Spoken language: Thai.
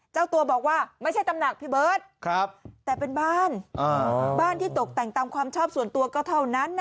เจ้าตัวบอกว่าไม่ใช่ตำหนักพี่เบิร์ตแต่เป็นบ้านบ้านที่ตกแต่งตามความชอบส่วนตัวก็เท่านั้น